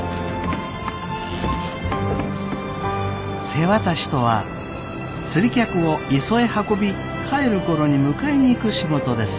瀬渡しとは釣り客を磯へ運び帰る頃に迎えに行く仕事です。